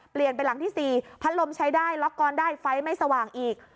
เปลี่ยนไปหลังที่๔พัดลมใช้ได้ล็อกกอนได้ไฟไม่สว่างอีก